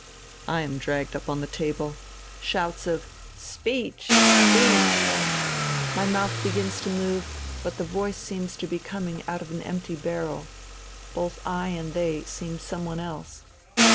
I am dragged up on the table. Shouts of " Speech ! Speech !" My mouth begins to move but the voice seems to be coming out of an empty barrel ; both I and they seem some one else.